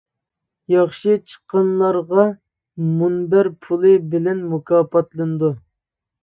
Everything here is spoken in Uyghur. ياخشى چىققانلارغا مۇنبەر پۇلى بىلەن مۇكاپاتلىنىدۇ.